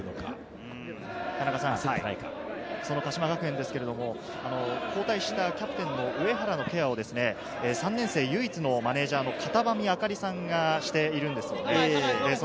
鹿島学園は交代したキャプテンの上原のケアを３年生唯一のマネージャー・方波見朱里さんがしているんです。